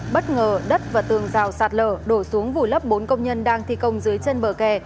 bất ngờ đất và tường rào sạt lở đổ xuống vùi lấp bốn công nhân đang thi công dưới chân bờ kè